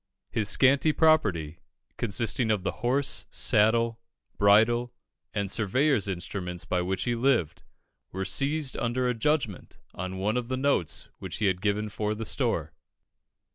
His scanty property, consisting of the horse, saddle, bridle, and surveyor's instruments by which he lived, were seized under a judgment on one of the notes which he had given for "the store."